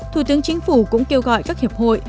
thủ tướng chính phủ cũng kêu gọi các hiệp hội